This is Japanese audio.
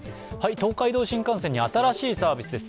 東海道新幹線に新しいサービスです。